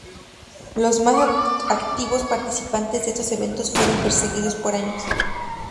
Los más activos participantes de estos eventos fueron perseguidos por años.